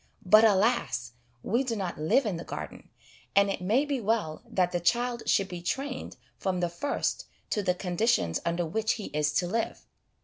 But alas ! we do not live in the Garden, and it may be well that the child should be trained from the first to the con ditions under which he is to live.